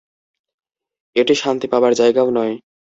এটি শান্তি পাবার জায়গাও নয়।